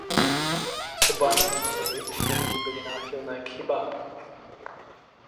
Oba způsoby čtení byly náchylné k chybám.